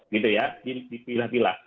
gitu ya dipilah pilah